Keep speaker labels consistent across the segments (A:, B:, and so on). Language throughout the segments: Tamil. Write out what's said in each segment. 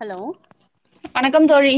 A: ஹலோ
B: வணக்கம் தோழி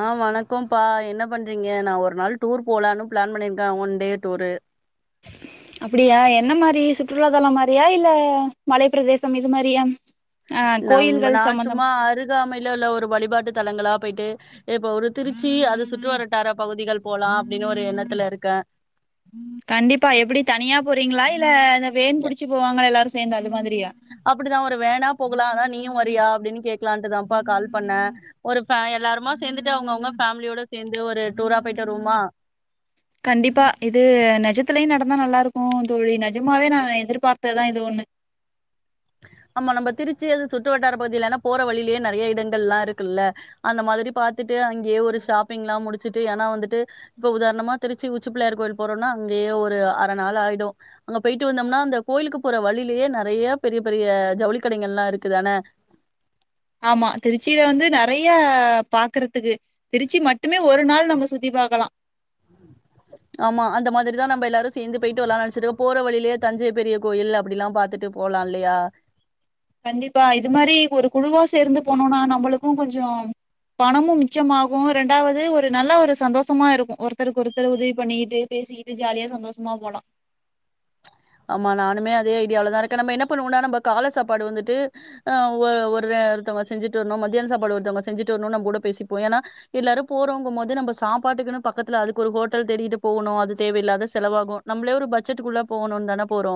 A: ஆ வணக்கம் பா என்ன பண்றீங்க நா ஒரு நாள் டூர் போலான்னு பிளான் பண்ணிருக்கே ஒன் டே டூரு
B: அப்புடியா என்ன மாரி சுற்றுலா தலம் மாரியா இல்ல மலைப்பிரதேசம் இது மாரியா ஆ
A: நம்
B: கோயில்கள்
A: நா சும்மா
B: சம்பந்தமா
A: அருகாமையில உள்ள ஒரு வழிபாட்டு தலங்களா போயிட்டு இப்ப ஒரு திருச்சி அது சுற்று வரட்டார பகுதிகள் போலா அப்டின்னு ஒரு எண்ணத்துல இருக்கே
B: கண்டிப்பா எபுடி தனியா போறீங்களா இல்ல இந்த வேன் பிடிச்சு போவாங்கள எல்லாரு
A: அப்புடிதா ஒரு வேனா போகலா அதா நீயு வ ரியா அப்டின்னு கேக்லான்ட்டுதாம்ப்பா கால் பண்ணே ஒரு ஃபே எல்லாருமா சேந்துட்டு அவுங்கவுங்க ஃபேமிலியோட சேந்து ஒரு டூரா போயிட்டு வருவோமா?
B: கண்டிப்பா இது நெஜத் துலயு நடந்தா நல்லாருக்கு தோழி நெஜமாவே நா எதிர்பாத்ததுதா இது ஒன்னு
A: ஆமா நம்ப திருச்சி அது சுற்றுவட்டார பகுதியிலன்னா போற வழிலயே நெறைய இடங்கள்லா‌ இருக்குல்ல அந்த மாதிரி பாத்துட்டு அங்கெயே ஒரு ஷாப்பிங்லா முடுச்சுட்டு ஏனா வந்துட்டு இப்ப உதாரணமா திருச்சி உச்சிபுள்ளயார் கோயில் போறோன்னா அங்கெயே ஒரு அர நாள் ஆயிடு அங்க போயிட்டு வந்தம்னா அந்த கோயிலுக்கு போற வழிலயே நெறைய பெரிய பெரிய ஜவுளி கடைகள்லா இருக்குதானே
B: ஆமா திருச்சியில வந்து நிறைய பாக்குறதுக்கு திருச்சி மட்டுமே ஒரு நாள் நம்ம சுத்தி பாக்கலா
A: ஆமா அந்த மாதிரிதா நம்ம எல்லாரு சேர்ந்து போயிட்டு வரலான்டு நனைச்சிருக்கோ போற வழியிலயே தஞ்சை பெரிய கோயில் அப்டிலா பாத்துட்டு போலா இல்லையா
B: கண்டிப்பா இது மாரி ஒரு குழுவா சேர்ந்து போனோனா நம்மளுக் கு கொஞ்சோ பணமு மிச்சமாகு ரெண்டாவது ஒரு நல்ல ஒரு சந்தோஷமா இருக்கு ஒருத்தருக்கு ஒருத்தர் உதவி பண்ணிக்கிட்டு பேசிக்கிட்டு ஜாலியா சந்தோஷமா போலா
A: ஆமா நானுமே அதே ஐடியாவிலதா இருக்கே நம்ம என்ன பண்ணுவோம்னா நம்ம கால சாப்பாடு வந்துட்டு ஆ ஒருத்தங்க செஞ்சுட்டு வரணு மத்யானோ சாப்பாடு ஒருத்தவங்க செஞ்சுட்டுவரணு நம்ம கூட பேசிப்போ ஏன்னா எல்லாரு போறவங்கபோது நம்ம சாப்பாட்டுக்குன்னு பக்கத்துல அதுக்கு ஒரு ஹோட்டல்தேடிகிட்டு போகணு அது தேவையில்லாத செலவாகு நம்ளே ஒரு பட்ஜெட்க்குள்ள போகணுன் தான போறோ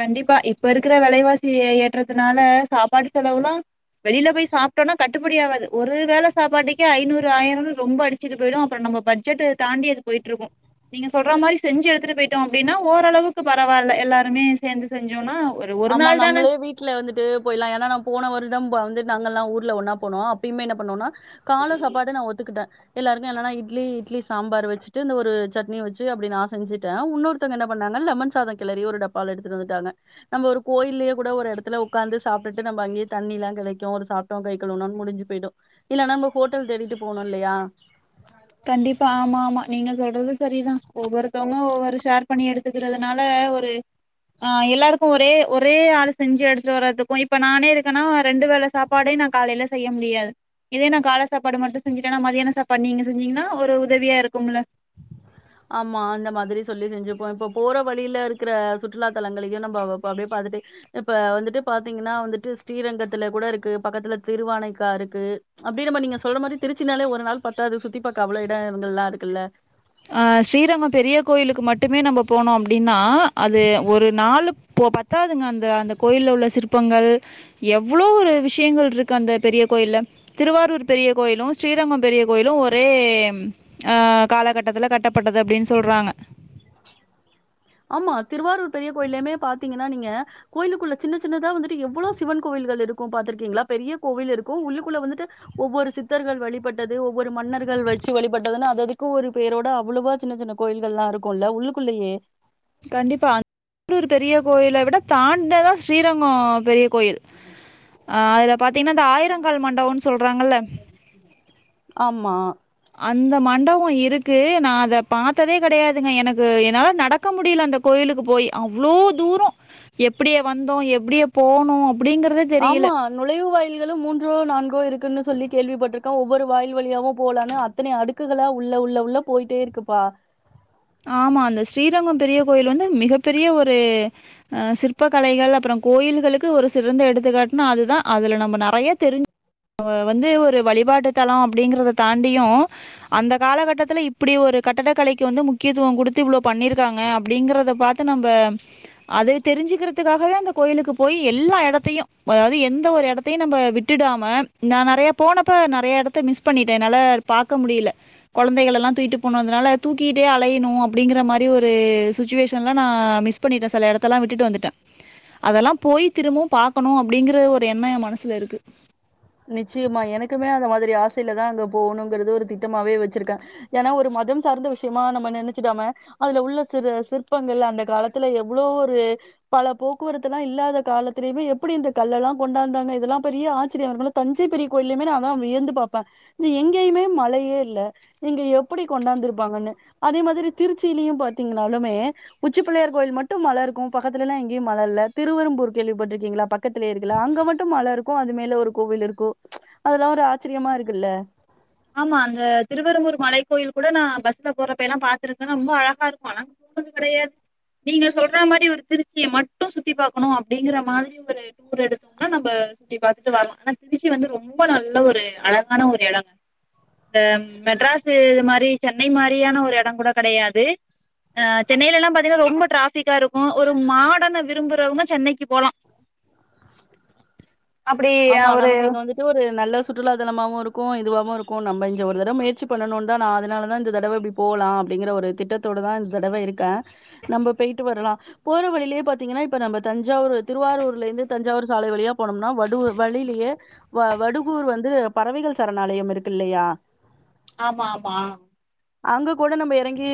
B: கண்டிப்பா இப்ப இருக்கிற விலைவாசி ஏற்றத்துனால சாப்பாடு செலவுலா வெளியில போய் சாப்பிட்டோம்னா கட்டுப்படி ஆவாது ஒரு வேளை சாப்பாட்டுக்கே ஐநூறு ஆயிரம்னு ரொம்ப அடிச்சுட்டு போயிடு அப்புற நம்ம பட்ஜெட் தாண்டி அது போயிட்ருக்கு நீங்க சொல்ற மாதிரி செஞ்சு எடுத்துட்டு போயிட்டோ அப்படின்னா ஓரளவுக்கு பரவாயில்ல எல்லாருமே சேந்து செஞ்சோனா ஒரு ஒரு
A: ஆமா
B: நாள் தான
A: நம்மளே வீட்டுல வந்துட்டு போய்ட்லா ஏன்னா நம் போன வர ம்ப வந்து நாங்கல்லா ஊர்ல ஒன்னா போனோ அப்பயும என்ன பண்ணோனா கால சாப்பாடு நா ஒத்துக்கிட்டே எல்லாருக்கு இல்லன்னா இட்லி இட்லி சாம்பார் வச்சுட்டு இந்த ஒரு சட்னி வச்சு அப்படி நா செஞ்சுட்டே இன்னொத்தங்க என்ன பண்ணாங்க லெமன் சாதோ கிளறி ஒருடப்பாவ எடுத்துட்டு வந்துட்டாங்க நம்ம ஒரு கோயில்லயே கூட ஒரு எடத்துல உக்காந்து சாப்டுட்டு நம்ம அங்கயே தண்ணிலா கெடைக்கு ஒரு சாப்ட்டோ கை கழவுணோனு முடிஞ்சு போயிடு இல்லைனா நம்ம ஹோட்டல் தேடிட்டு போணு இல்லயா
B: கண்டிப்பா ஆமா ஆமா நீங்க சொல்றது சரிதா ஒவ்வொருத்தங்க ஒவ்வொர் ஷேர் பண்ணி எடுத்துக்கிறதுனால ஒரு ஆ எல்லாருக்கு ஒரே ஒரே ஆள் செஞ்சு எடுத்து வரதுக்கு இப்ப நானே இருக்கேன்னா ரெண்டு வேல சாப்பாடே நா காலைல செய்ய முடியாது இதே நா காள சாப்பாடு மட்டு செஞ்சுட்டேனா மதியானோ சாப்பாடு நீங்க செஞ்சிங்கன்னா ஒரு உதவியா இருக்கும்ல
A: ஆமா அந்த மாதிரி சொல்லி செஞ்சுப்போ இப்ப போற வழியில இருக்கிற சுற்றுலா தலங்களையு நம்ம அப்படியே பாத்துட்டே இப்ப வந்துட்டு பாத்தீங்கன்னா வந்துட்டு ஸ்ரீரங்கத்துல கூட இருக்கு பக்கத்துல திருவானைக்கா இருக்கு அப்படின் நம்ம நீங்க சொல்ற மாதிரி திருச்சினாலே ஒரு நாள் பத்தாவது சுத்தி பாக்க அவ்ள எடங்கள் லா இருக்குல்ல
B: ஆ ஸ்ரீரங்கம் பெரிய கோயிலுக்கு மட்டுமே நம்ம போனோ அப்டின் நா அது ஒரு நாலு இப்போ பத்தாதுங்க அந்த அந்த கோயில உள்ள சிற்பங்கள் எவ்ளோ ஒரு விஷயங்கள் இருக்கு அந்த பெரிய கோயில்ல திருவாரூர் பெரிய கோயிலு ஸ்ரீரங்கம் பெரிய கோயிலு ஒரே அ காலகட்ட ட்டத்துல கட்டப்பட்டது அப்படின்னு சொல்றாங்க
A: ஆமா திருவாரூர் பெரிய கோயிலயுமே பாத்தீங்கன்னா நீங்க கோயிலுக்குள்ள சின்ன சின்னதா வந்துட்டு எவ்வள சிவன் கோயில்கள் இருக்கு பாத்துருக்கீங்களா பெரிய கோவில் இருக்கு உள்ளுக்குள்ள வந்துட்டு ஒவ்வொரு சித்தர்கள் வழிபட்டது ஒவ்வொரு மன்னர்கள் வச்சு வழிபட்டதுன்னு அததுக்கு ஒரு பேரோட அவ்வளவா சின்ன சின்ன கோயில்கள்லா இருக்கும்ல்ல உள்ளுக்குள்ளயே
B: கண்டிப்பா அந்தர் பெரிய கோயிலை விட தாண்டதா ஸ்ரீரங்கம் பெரிய கோயில் அஅதுல பாத்தீங்கன்னா அ ஆயிரங்கால் மண்டபம்ன்னு சொல்றாங்கல்ல
A: ஆமா.
B: அந்த மண்டபோ இருக்கு நா அத பாத்ததே கெடயாதுங்க எனக்கு என்னால நடக்க முடியல அந்த கோயிலுக்கு போய் அவ்ளோ தூரோ எப்படிய வந்தோ எப்டிய போனோ
A: ஆமா நுழைவு வாயில்களு மூன்றோ நான்கோ இருக்குன்னு சொல்லி கேள்விப்பட்டிருக ஒவ்வொரு வாயில் வழியாவு போலான்னு அத்தன அடுக்குகளா உள்ள உள்ள உள்ள போயிட்டே இருக்குப்பா
B: ஆமா அந்த ஸ்ரீரங்கம் பெரிய கோயில் வந்து மிகப்பெரிய ஒரு அ சிற்ப கலைகள் அப்பற கோயில்களுக்கு ஒரு சிறந்த எடுத்துக்காட்னா அதுதா அதுல நம்ம நெறைய தெரிஞ்ச வந்து ஒரு வழிபாட்டு தலம் அப்டிங்கறத தாண்டியு அந்த காலகட்டத்துல இப்டி ஒரு கட்டிடக்கலைக்கு வந்து முக் கியத்துவோ குடுத்து இவ்ளோ பண்ணிருக்காங்க அப்டிங்கறத பாத் த்த நம்ம அத தெரிஞ்சுக்கிறதுக்காகவே அந்த கோயிலுக்கு போய் எல்லா எடத்தையு அதாவது எந்த ஒரு எடத்தையு நம்ம விட்டுடாம நா நெறைய போனப்ப நெறையா எடத்த மிஸ் பண்ணிட்டே என்னால பாக்க முடில கொழந்தைகள் எல்லா தூக்கிட்டு போனதுனால தூக்கி ட்டே அலையணு அப்டிங்கிற மார் அப்டி ஒரு சுச்சுவேஷன்லா நா மிஸ் பண்ணிட்டே சில எடத்தலா விட்டுட்டு வந்துட்டே அதெல்லா போய் திரும்பவு பாக்கணு அப்டிங்கற ஒரு எண்ண எ மனசுல இருக்கு
A: நிச்சயமா எனக்குமே அந்த மாதிரி ஆசயில தா அங்க போகணுங்கிறது ஒரு திட்டமாவே வச்சிருக்கே ஏன்னா ஒரு மதம் சார்ந்த விஷயமா நம்ம நெனச்சிடாம அதுல உள்ள சிறு சிற்பங்கள் அந்த காலத்துல எவ்ள ஒரு பல போக்குவரத்து எல்லா இல்லாத காலத்திலயுமே எப்டி இந்த கல்லெல்லா கொண்டாந்தாங்க இதெல்லா பெரிய ஆச்சரிய இருக்கு இல்ல தஞ்சை பெரிய கோயிலுமே நா எல்லா வியந்து பாப்பே எங்கேயுமே மலயே இல்ல இங்க எப்டி கொண்டாந்து இருப்பாங்கன்னு அதே மாரி திருச்சியிலயு பாத்தீங்கன்னாலுமே உச்சிப்பிள்ளையார் கோயில் மட்டு மல இருக்கு பக்கத்துல எல்லா எங்கேயு மல இல்ல திருவரம்பூர் கேள்விப்பட்டிருக்கீங்களா பக்கத்லே இருக்குல அங்க மட்டு மல இருக்கு அது மேல ஒரு கோவில் இருக்கு அதெல்லா ஒரு ஆச்சரியமா இருக்குல்ல
B: ஆமா அந்த திருவரும்பூர் மலை கோயில் கூட நா பஸ்ல போறப்ப எல்லா பாத்துருக்கே ரொம்ப அழகா இருக்கு ஆனா போனது கெடயாது நீங்க சொல்ற மாதிரி ஒரு திருச்சி மட்டு சுத்தி பாக்கணு அப்டிங்கற மாரி ஒரு டூர் எடுத்தோம்னா நம்ம சுத்தி பாத்துட்டு வரலா ஆனா திருச்சி வந்து ரொம்ப நல்ல ஒரு அழகான ஒரு இடங்க இந்த மெட்ராஸ் இது மாரி சென்னை மாரியான ஒரு எடங் கூட கெடயாது ஆ சென்னைல எல்லா பாத்தீங்கன்னா ரொம்ப டிராபிக்கா இருக்கு ஒரு மாடன விரும்புறவூங்க சென்னைக்கு போலா
A: [inaudible]
B: அப்டி
A: ஆமா
B: ஒரு
A: நமக்கு இங்க வந்துட்டு ஒரு நல்ல சுற்றுலா தலமாவு இருக்கு இதுவாவு இருக்கு நம்ம இங்க ஒரு தடவ முயற்சி பண்ணணுனு தா நா அதனால தா இந்த தடவ இப்டி போகலா அப்டிங்கிற ஒரு திட்டத்தோட தா இந்த தடவ இருக்கே நம்ம போய்ட்டு வரலா போற வழியிலே பாத்தீங்கனா இப்ப நம்ம தஞ்சாவூரு திருவாரூர்ல இருந்து தஞ்சாவூர் சாலை வழியா போனோம்னா வடு வழியிலயே வடுகூர் வந்து பறவைகள் சரணாலயம் இருக்கு இல்லயா
B: ஆமா ஆமா
A: அங்க கூட நம்ம எறங்கி்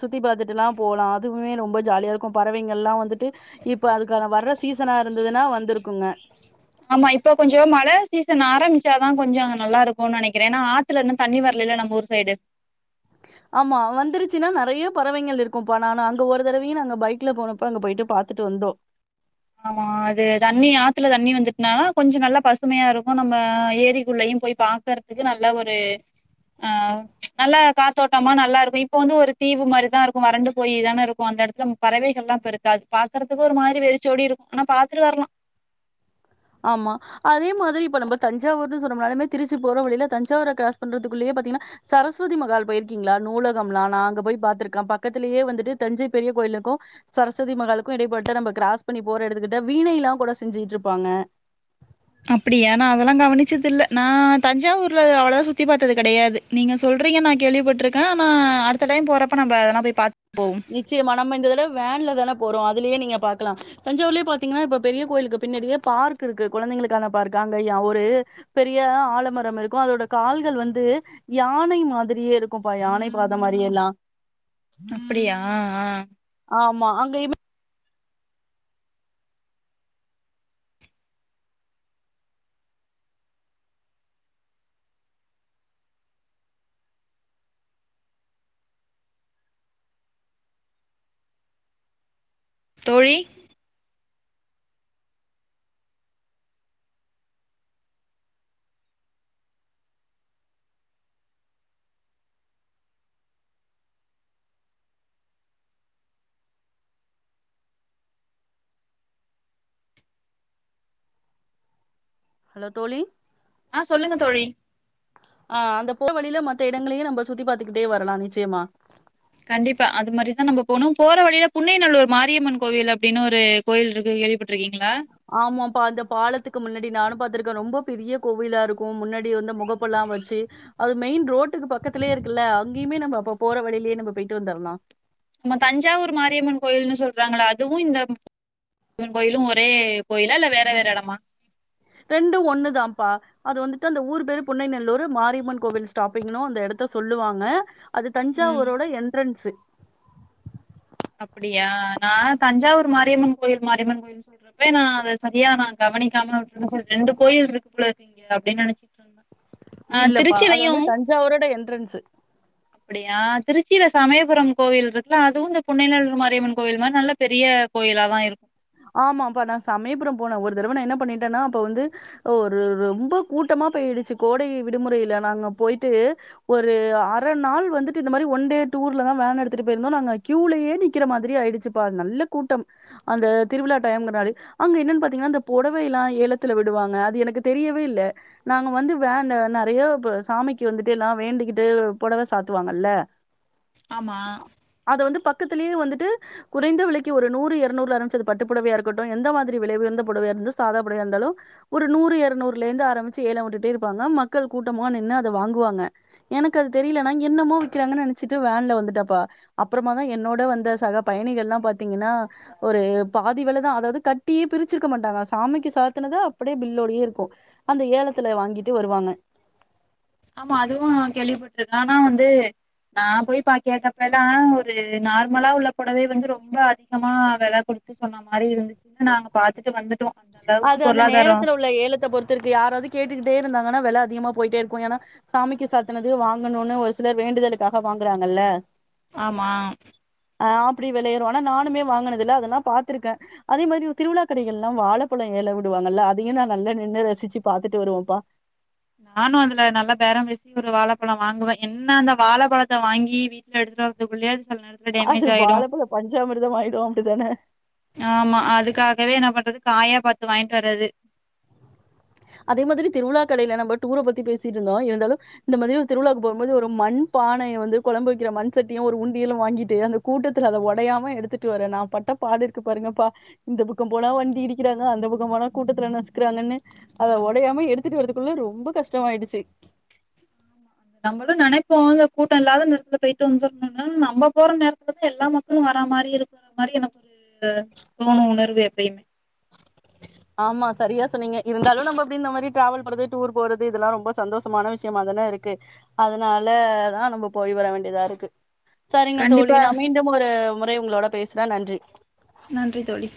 A: சுத்தி பாத்துட்டுல்லா போலா அதுமே ரொம்ப ஜாலியா இருக்கு பறவைங்கள் எல்லா வந்துட்டு இப்ப அதுக்கான வர்ற சீசனா இருந்ததுன்னா வந்துருக்குங்க
B: ஆமா இப்ப கொஞ்சோ மழ சீசன் ஆரம்பிச்சாதா கொஞ்சோ அங்க நல்லா இருக்கு நெனக்கிறே ஏன்னா ஆத்துல இன்னு தண்ணி வரல இல்ல நம்ம ஊர் சைடு
A: ஆமா வந்துருச்சுன்னா நெறய பறவைகள் இருக்கும்ப்பா நானு அங்க ஒரு தடவையு நாங்க பைக்ல போனப்ப அங்க போயிட்டு பாத்துட்டு வந்தோ
B: ஆமா அது தண்ணி ஆத்துல தண்ணி வந்துட்டனாலா கொஞ்ச நல்லா பசுமையா இருக்கு நம்ம ஏரிக்குள்ளயேயு போய் பாக்குறதுக்கு நல்ல ஒரு ஆ நல்ல காத்தோட்டமா நல்லா இருக்கு இப்ப வந்து ஒரு தீவு மாரிதா இருக்கு வறண்டு போய் தான இருக்கு அந்த இடத்ல பறவைகள்லா இப்ப இருக்காது பாக்குறதுக்கு ஒரு மாரி வெ வெரிச்சோடி இருக்கு ஆனா பாத்துட்டு வரலா
A: ஆமா அதே மாதிரி இப்ப நம்ம தஞ்சாவூர்னு சொன்னோம்னாலுமே திருச்சி போற வழில தஞ்சாவூரை கிராஸ் பண்றதுக்குள்ளயே பாத்தீங்கன்னா சரஸ்வதி மஹால் போயிருக்கீங்ளா நூலகம்லா நா அங்க போய் பாத்துருக்கே பக்கத்திலேயே வந்துட்டு தஞ்சை பெரிய கோயிலுக்கு சரஸ்வதி மகாலுக்கு இடைபட்டு நம்ம கிராஸ் பண்ணி போற எடத்துக்கிட்ட வீணைல்லா கூட செஞ்சுட்டு இருப்பாங்க
B: அப்புடியா நா அதெல்லா கவனிச்சது இல்ல நா தஞ்சாவூர்ல அவ்வளவா சுத்தி பாத்தது கெடயாது நீங்க சொல்றீங்க நா கேள்விப்பட்டுருக்கே ஆனா அடுத்த டைம் போறப்ப நம்ப அதெல்லா போய் பாத்த
A: நிச்சியமா நம்ம இந்த தடவ வேன்ல தான போறோ அதுலயே நீங்க பாக்கலா தஞ்சாவூர்லயே பாத்தீங்கன்னா இப்ப பெரிய கோயிலுக்கு பின்னாடியே பார்க் இருக்கு கொழந்தைளுக்கான பார்க் அங்க ஒரு பெரிய ஆழமரம் இருக்கு அதோட கால்கள் வந்து யானை மாதிரியே இருக்கும்ப்பா யானை பாத மாதிரியே எல்லா
B: அப்புடியா ஆ ஆ
A: ஆமா அங்கயுமே
B: தோழி
A: ஹலோ தோழி
B: ஆ சொல்லுங்க தோழி
A: ஆ அந்த போற வழில மத் மத்த இடங்களையு நம்ம சுத்தி பாத்துக்கிட்டே வரலா நிச்சயமா
B: கண்டிப்பா அது மாரிதா நம்ம போனு போற வழியில புண்ணைநல்லூர் மாரியம்மன் கோயில் அப்டின்னு ஒரு கோயில் இருக்கு கேள்விப்பட்டு
A: ஆமாப்ப அந்த பாலத்துக்கு முன்னாடி நானும் பா ரொம்ப பெரிய கோவிலா இருக்கு முன்னாடி வந்து முகப்பெல்லா வச்சு அது மெயின் ரோட்டுக்கு பக்கத்திலேயே இருக்குல்ல அங்கயுே நம்ம அப்ப போற வழியிலேயே நம்ம போயிட்டு வந்துரலா
B: நம்ம தஞ்சாவூர் மாரியம்மன் கோயில்னு சொல்றாங்களா அதுவு இந்த மாரியம்மன் கோயிலு ஒரே கோயிலா இல்ல வேற வேற எடமா
A: ரெண்டு ஒன்னுதாப்பா அது வந்துட்டு அந்த ஊர் பேரு புண்ணைநல்லூர் மாரியம்மன் கோவில் ஸ்டாப்பிங்னு அந்த எடத்த சொல்லுவாங்க அது
B: ம்
A: தஞ்சாவூரோட என்ட்ரன்ஸு
B: அப்டியா நா தஞ்சாவூர் மாரியம்மன் கோயில் மாரியம்மன் கோயில்னு சொல்றப்ப நா அத சரியா நா கவனிக்காம ரெண்டு கோயில் இருக்கு போல அப்டின்னு நெனச்சிட்டு இருந்தே ஆ
A: இல்லப்பா அது
B: திருச்சிலயு
A: வந்து தஞ்சாவூரோட எண்ட்ரன்ஸ்
B: யா திருச்சில சமயபுரம் கோவில் இருக்குல அதுவு இந்த புன்னைநல்லூர் மாரியம்மன் கோயில் மாரி நல்ல பெரிய கோயிலா தா இருக்
A: ஆமாப்பா நா சமயபுரம் போனே ஒரு தடவ நா என்ன பண்ணிட்டேன்னா அப்ப வந்து ஒரு ரொம்ப கூட்டமா போயிடுச்சு கோடை விடுமுறைல நாங்க போயிட்டு ஒரு அர நாள் வந்துட்டு இந்த மாதிரி ஒன் டே டூர்லதா வேன் எடுத்துட்டு போயிருந்தோம் நாங்க கியூலயே நிக்கிற மாரி ஆயிருச்சுப்பா அது நல்ல கூட்டம் அந்த திருவிழா டைம்கிறாரு அங்க என்னன்னு பாத்தீங்கன்னா இந்த பொடவ எல்லா ஏலத்துல விடுவாங்க அது எனக்கு தெரியவே இல்ல நாங்க வந்து வேன் நெறைய ப சாமிக்கு வந்துட்டு எல்லா வேண்டிக்கிட்டு பொடவ சாத்துவாங்கல்ல
B: ஆமா
A: பக்கத்துலயே வந்துட்டு குறைந்த விலைக்கு ஒரு நூறு இற்நூறுல சு அத பட்டு புடவையா இருக்கட்டு எந்த மாதிரி வில உயர்ந்த புடவையா இருந்து சாதா புடவையா இருந்தாலு ஒரு நூறு இற்நூறுலேந்து ஆரம்பிச்சு ஏலம் விட்டுட்டே இருப்பாங்க மக்கள் கூட்டமா நின்னு அத வாங்குவாங்க எனக்கு அது தெரியல நா என்னமோ விக்கிறாங்கன்னு நினச்சிட்டு வேன்ல வந்துட்டாப்பா அப்றமா தா என்னோட வந்த சக பயணிகள்லா பாத்தீங்கன்னா ஒரு பாதி வெலதா அதாவுது கட்டி பிரிச்சுருக்க மாட்டாங்க சாமிக்கு சாத்துனது அப்டியே பில்லோடயே இருக்கும் அந்த ஏலத்துல வாங்கிட்டு வருவாங்க
B: ஆமா அதுவு கேள்விப்பட்டு ஆனா வந்து நா போய் பா கேட்டப்பல்லா ஒரு நார்மலா உள்ள பொடவை வந்து ரொம்ப அதிகமா வெல குடுத்து சொன்ன மாரி இருந்துச்சு நாங்க பாத்துட்டு வந்து
A: அது அந்த நேரத்துல உள்ள ஏலத்த பொறுத்த இருக்கு யாராவுது கேட்டுக்கிட்டே இருந்தாங் கனா வெல அதிகமா போயிட்டே இருக்கும் ஏனா சாமிக்கு சாத்தனது வாங்கணுன்னு ஒரு சிலர் வேண்டுதலுக்காக வாங்குறாங்கல்ல
B: ஆமாம்
A: ஆ அப்படி விளையேறும் ஆனா நானுமே வாங்குனதில்ல அதெல்லா பாத்திருக்கே அதே மாரி ஒரு திருவிழா கடைகள் எல்லா வாழ அப்பளோ ஏல விடுவாங்கல்ல அதயு நா நல்லா நின்னு ரசிச்சு பாத்துட்டு வருவோன்பா
B: நானு அதுல நல்ல பேரம் பேசி ஒரு வாழபழம் வாங்குவேன் என்ன அந்த வாழபழத்த வாங்கி வீட்ல எடுத்துட்டு வர்றதுக்குள்ளையே செல நேரத்துல
A: அது
B: டேமேஜ் ஆயிடும்
A: வாழப்பழ பஞ்சாமிர்தம் ஆயிடு அப்டிதான
B: ஆமா அதுக்காகவே நா பண்றது காயா பாத்து வாங்கிட்டு வரது
A: அதே மாதிரி திருவிழா கடைல நம்ம டூர பத்தி பேசிட்டு இருந்தோம் இருந்தாலு இந்த மாரி ஒரு திருவிழாக்கு போம்போது ஒரு மண் பானையு வந்து கொழம்பு வைக்கிற மண் சட்டியு ஒரு உண்டியலும் வாங்கிட்டு அந்த கூட்டத்துல அத ஒடையாம எடுத்துட்டு வர நா பட்ட பாடு இருக்கு பாருங்க பா இந்த பக்கம் போனா வண்டி இடிக்கிறாங்க அந்த பக்கம் போனா கூட்டத்துல நசுக்கிறாங்கன்னு அத ஒடையாம எடுத்துட்டு வரதுக்குள்ள ரொம்ப கஷ்டமாயிடுச்சி
B: நம்மளும் நினப்போம் இந்த கூட்டோ இல்லாத நேரத்துல போயிட்டு வந்துரணுன்னு நம்ம போற நேரத்துலதா எல்லா மக்களு வர மாரி இருக்கிற மாரி எனக்கு ஒரு தோணு உணர்வு எப்பயிமே
A: ஆமா சரியா சொன்னீங்க இருந்தாலு நம்ம அப்டி இந்த மாரி டிராவல் பண்றது டூர் போறது இதெல்லா ரொம்ப சந்தோஷமான விஷயமாதனே இருக்கு அதுனால தா நம்போ போய் வர வேண்டிய தாருக்கு சரிங்க தோழி
B: கண்டிப்பா
A: நா மீண்டும் ஒரு முறை உங்களோட பேசறே நன்றி
B: நன்றி தோழி